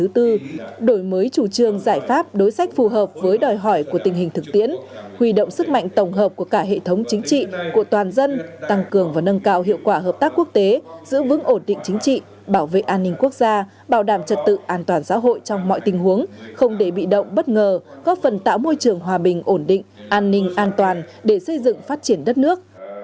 trường giải pháp đối sách phù hợp với đòi hỏi của tình hình thực tiễn huy động sức mạnh tổng hợp của cả hệ thống chính trị của toàn dân tăng cường và nâng cao hiệu quả hợp tác quốc tế giữ vững ổn định chính trị bảo vệ an ninh quốc gia bảo đảm trật tự an toàn xã hội trong mọi tình huống không để bị động bất ngờ góp phần tạo môi trường hòa bình ổn định an ninh an toàn để xây dựng phát triển đất nước